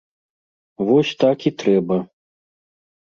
Вось так і трэба.